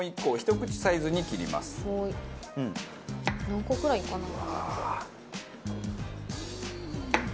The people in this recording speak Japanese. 何個くらいかな？